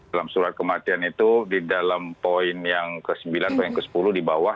dalam surat kematian itu di dalam poin yang ke sembilan poin ke sepuluh di bawah